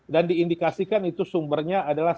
dan diindikasikan sumbernya adalah